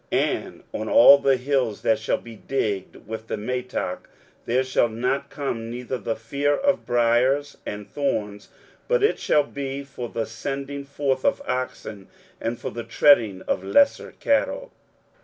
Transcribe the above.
23:007:025 And on all hills that shall be digged with the mattock, there shall not come thither the fear of briers and thorns: but it shall be for the sending forth of oxen, and for the treading of lesser cattle.